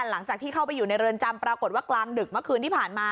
หลังจากที่เข้าไปอยู่ในเรือนจำปรากฏว่ากลางดึกเมื่อคืนที่ผ่านมา